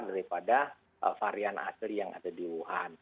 daripada varian asli yang ada di wuhan